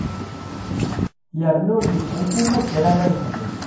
Yerna ur yesɛi uma d kra ara yexdem.